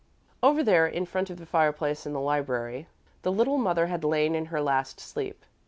Over there, in front of the fireplace in the library, the little mother had lain in her last sleep.